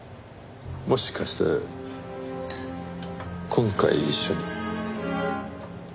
もしかして今回一緒に？